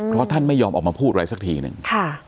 เพราะท่านไม่ยอมออกมาพูดอะไรสักทีหนึ่ง